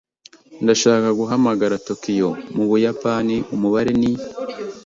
Ndashaka guhamagara Tokiyo, mu Buyapani. Umubare ni -.